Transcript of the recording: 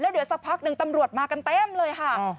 เดี๋ยวสักพักหนึ่งตำรวจมากันเต็มเลยค่ะ